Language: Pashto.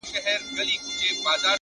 دوی پر لږو پيسو قناعت وکړ.